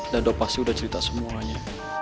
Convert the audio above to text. dado pasti udah cerita semuanya